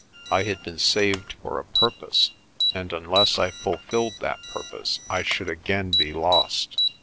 I had been saved for a purpose, and unless I fulfilled that purpose I should again be lost.